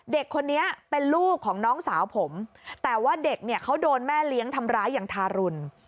เด็กคนนี้เป็นลูกของน้องสาวผมแต่ว่าเด็กเนี่ยเขาโดนแม่เลี้ยงทำร้ายอย่างทารุณ